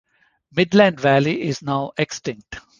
Midland Valley is now extinct.